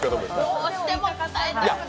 どうしても伝えたくて。